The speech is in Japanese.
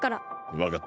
わかった。